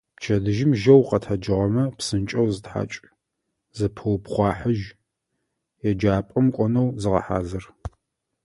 Пчэдыжьым жьэу укъэтэджыгъэмэ, псынкӏэу зытхьакӏ, зыпыупхъухьажь, еджапӏэм укӏонэу зыгъэхьазыр.